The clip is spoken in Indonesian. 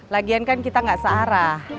lagian kan kita gak searah